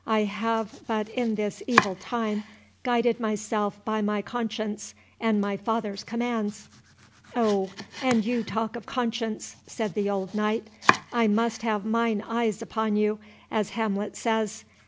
"I have but in this evil time, guided myself by my conscience, and my father's commands." "O, and you talk of conscience," said the old knight, "I must have mine eye upon you, as Hamlet says.